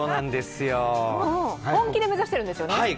本気で目指してるんですよね？